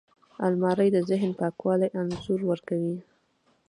الماري د ذهن پاکوالي انځور ورکوي